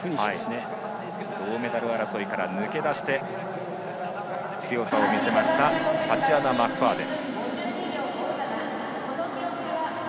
銅メダル争いから抜け出して強さを見せたタチアナ・マクファーデン。